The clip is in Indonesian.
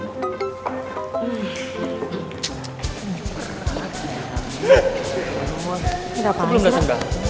ini berapaan shay